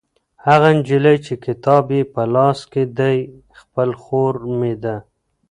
هغه نجلۍ چې کتاب یې په لاس کې دی خپله خور مې ده.